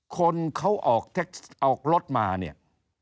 คนเขาออกรถมาเนี่ย